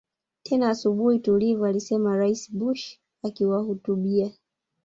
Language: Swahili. tena asubuhi tulivu alisema Rais Bush akiwahutubia